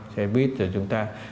xe buýt rồi chúng ta